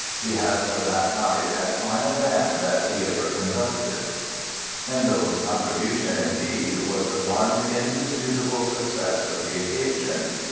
He had for that night as fine a band as he ever conducted." Handel's contribution, indeed, was the one indisputable success of the occasion.